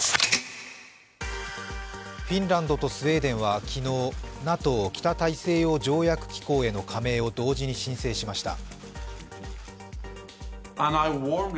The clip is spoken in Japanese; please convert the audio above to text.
フィンランドとスウェーデンは昨日、ＮＡＴＯ＝北大西洋条約機構への加盟を同時に申請しました。